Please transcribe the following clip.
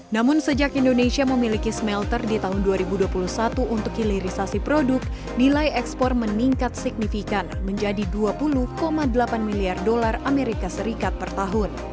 namun sejak indonesia memiliki smelter di tahun dua ribu dua puluh satu untuk hilirisasi produk nilai ekspor meningkat signifikan menjadi dua puluh delapan miliar dolar amerika serikat per tahun